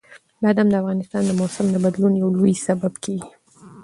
بادام د افغانستان د موسم د بدلون یو لوی سبب کېږي.